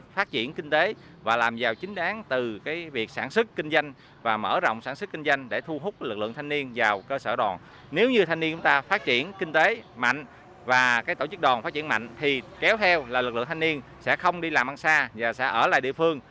phát triển kinh tế mạnh và tổ chức đoàn phát triển mạnh kéo theo là lực lượng thanh niên sẽ không đi làm ăn xa và sẽ ở lại địa phương